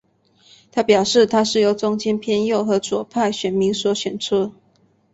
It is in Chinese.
他表示他是由中间偏右和左派选民所选出。